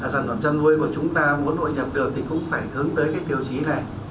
sản phẩm chăn nuôi của chúng ta muốn hội nhập được thì cũng phải hướng tới cái tiêu chí này